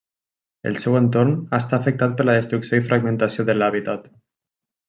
El seu entorn està afectat per la destrucció i fragmentació de l'hàbitat.